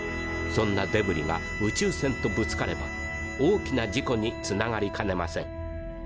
そんなデブリが宇宙船とぶつかれば大きな事故につながりかねません。